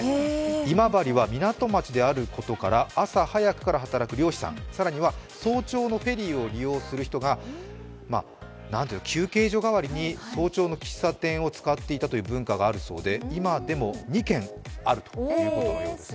今治は港町であることから、朝早くから働く漁師さん、更には早朝のフェリーを利用する人が休憩所代わりに早朝の喫茶店を使っていた文化があるそうで今でも２軒あるということです。